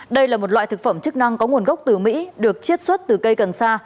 đây là một loại thực phẩm chức năng có nguồn gốc từ mỹ được chiết xuất từ cây cần sa